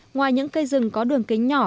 ngoài những cây rừng có đường kính nhỏ